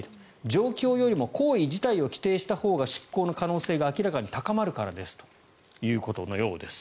状況よりも行為自体を規定したほうが執行の可能性が明らかに高まるからですということのようです。